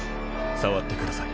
触ってください。